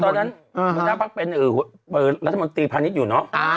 ตอนนั้นประชาภักดิ์เป็นรัฐมนตรีพาณิชย์อยู่เนาะ